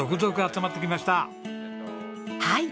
はい。